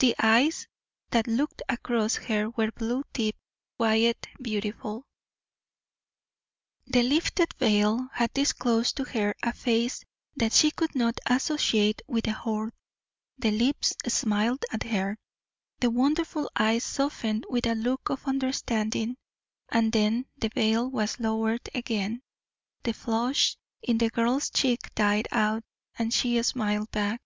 The eyes that looked across at her were blue deep, quiet, beautiful. The lifted veil had disclosed to her a face that she could not associate with the Horde. The lips smiled at her the wonderful eyes softened with a look of understanding, and then the veil was lowered again. The flush in the girl's cheek died out, and she smiled back.